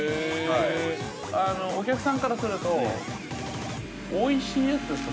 ◆お客さんからするとおいしいやつですか